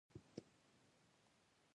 میرويس وپوښتل ټول څو کسان دي وژل شوي؟